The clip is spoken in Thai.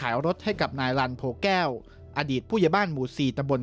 รถยนต์หมายเลขทะเบียนบค๕๖